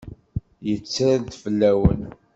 Yetter-d fell-awen.